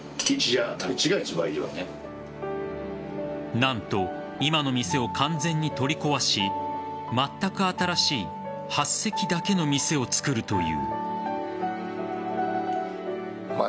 何と今の店を完全に取り壊しまったく新しい８席だけの店を作るという。